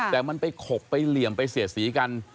แต่มันไปขบไปเหลี่ยมไปเสียดสีกัน